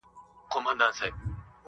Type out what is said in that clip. کړي پکې شامله رب رضا خپله